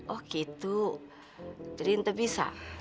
oh gitu jadi ente bisa